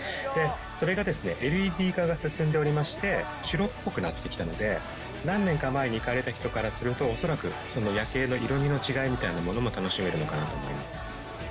それがＬＥＤ化が進んでおりまして、白っぽくなってきたので、何年か前に行かれた人からすると、恐らく夜景の色味の違いみたいなものも楽しめるのかなと思います